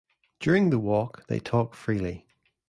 During the walk they talk freely.